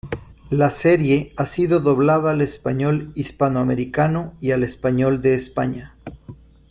La serie ha sido doblada al español hispanoamericano y al español de España.